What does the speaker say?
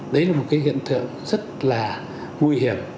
đấy là một cái hiện tượng rất là nguy hiểm